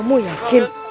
aduh aduh aduh